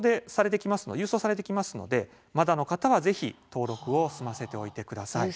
郵送されてきますのでまだの方はぜひ登録を済ませておいてください。